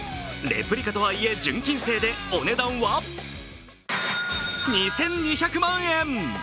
レプリカとはいえ、純金製でお値段は２２００万円。